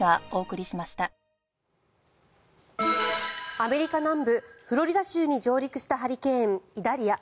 アメリカ南部フロリダ州に上陸したハリケーン、イダリア。